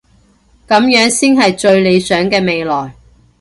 噉樣先係最理想嘅未來